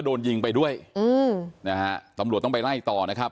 โดนยิงไปด้วยอืมนะฮะตำรวจต้องไปไล่ต่อนะครับ